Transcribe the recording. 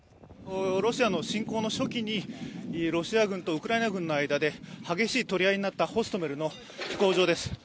ロシアの侵攻の初期に、ロシア軍とウクライナ軍の間で激しい取り合いになったホストメリの飛行場です。